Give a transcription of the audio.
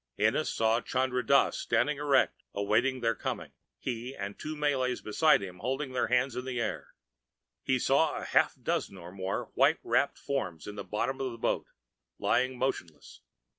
Ennis saw Chandra Dass standing erect, awaiting their coming, he and the two Malays beside him holding their hands in the air. He saw a half dozen or more white wrapped forms in the bottom of the boat, lying motionless.